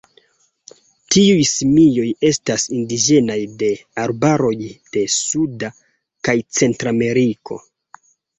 Tiuj simioj estas indiĝenaj de arbaroj de Suda kaj Centrameriko.